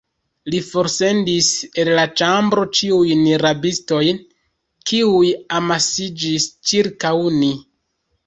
Li forsendis el la ĉambro ĉiujn rabistojn, kiuj amasiĝis ĉirkaŭ ni.